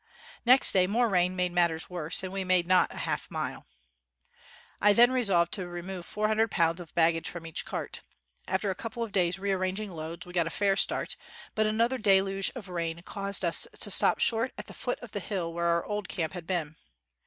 Next day more rain made matters worse, and we made not half a mile. I then resolved to remove four hundred pounds of baggage from each cart. After a couple of days ' rearranging loads, we got a fair start, but another deluge of rain caused us to stop short at the foot of the hill where our old camp had been.